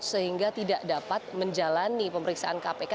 sehingga tidak dapat menjalani pemeriksaan kpk